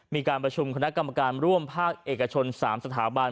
มีการประชุมคณะกรรมการร่วมภาคเอกชน๓สถาบัน